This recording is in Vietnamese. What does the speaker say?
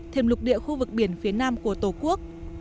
thêm lục địa khu vực biển phía nam của tổ quốc